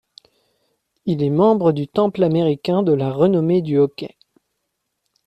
Il est membre du temple américain de la renommée du hockey.